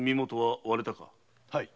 はい。